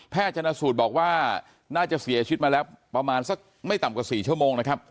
ชนะสูตรบอกว่าน่าจะเสียชีวิตมาแล้วประมาณสักไม่ต่ำกว่า๔ชั่วโมงนะครับ